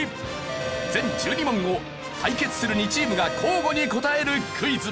全１２問を対決する２チームが交互に答えるクイズ。